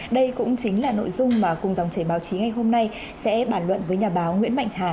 đây cũng chính là nội dung mà cung dòng trẻ báo chí ngay hôm nay sẽ bản luận với nhà báo nguyễn mạnh hà